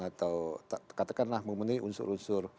atau katakanlah memenuhi unsur unsur